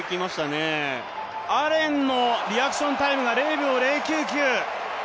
アレンのリアクションタイムが０秒０９９。